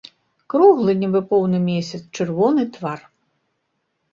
Круглы, нібы поўны месяц, чырвоны твар.